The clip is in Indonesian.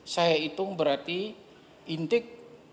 saya hitung berarti intik